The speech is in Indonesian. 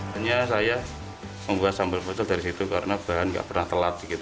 hanya saya membuat sambal bocor dari situ karena bahan nggak pernah telat